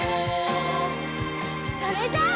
それじゃあ。